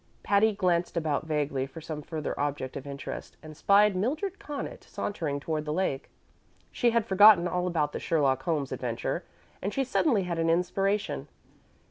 Patty glanced about vaguely for some further object of interest, and spied Mildred Connaught sauntering toward the lake. She had forgotten all about the Sherlock Holmes adventure, and she suddenly had an inspiration.